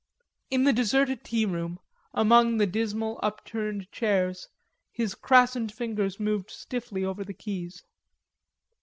In the deserted tea room, among the dismal upturned chairs, his crassened fingers moved stiffly over the keys.